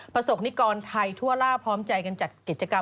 ประสบนิกรไทยทั่วล่าพร้อมใจกันจัดกิจกรรม